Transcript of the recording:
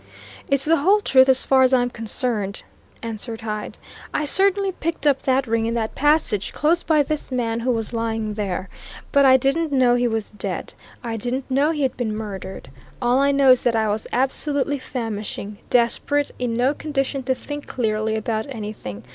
"It's the whole truth as far as I'm concerned," answered Hyde. "I certainly picked up that ring in that passage, close by this man who was lying there. But I didn't know he was dead; I didn't know he'd been murdered. All I know is that I was absolutely famishing, desperate, in no condition to think clearly about anything.